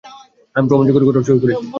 আমি প্রমাণ জোগাড় করা শুরু করেছি।